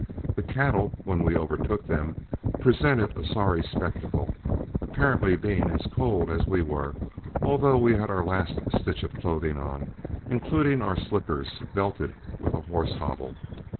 The cattle, when we overtook them, presented a sorry spectacle, apparently being as cold as we were, although we had our last stitch of clothing on, including our slickers, belted with a horse hobble.